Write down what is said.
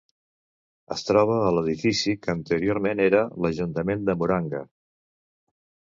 Es troba a l"edifici que anteriorment era l"ajuntament de Murang'a.